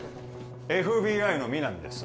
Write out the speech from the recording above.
ＦＢＩの皆実です